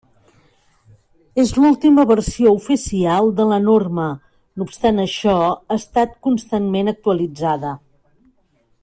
És l'última versió oficial de la norma, no obstant això, ha estat constantment actualitzada.